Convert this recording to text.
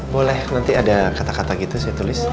boleh nanti ada kata kata gitu saya tulis